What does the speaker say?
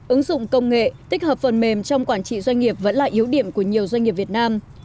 ứng dụng công nghệ tích hợp phần mềm trong quản trị doanh nghiệp vẫn là yếu điểm của nhiều doanh nghiệp việt nam